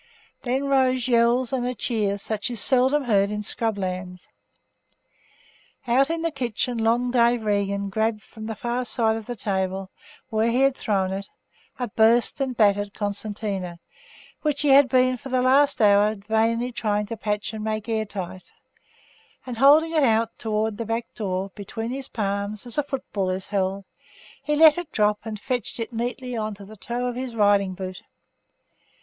Then rose yells, and a cheer such as is seldom heard in scrub lands. Out in the kitchen long Dave Regan grabbed, from the far side of the table, where he had thrown it, a burst and battered concertina, which he had been for the last hour vainly trying to patch and make air tight; and, holding it out towards the back door, between his palms, as a football is held, he let it drop, and fetched it neatly on the toe of his riding boot.